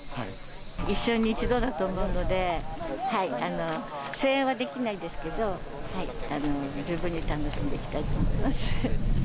一生に一度だと思うので、声援はできないですけど、十分に楽しんでいきたいと思います。